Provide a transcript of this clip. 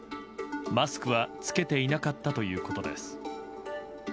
マスクは着けていなかったということです。